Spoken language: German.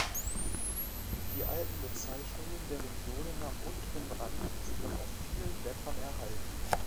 Die alten Bezeichnungen der Regionen am unteren Rand sind noch auf vielen Blättern erhalten.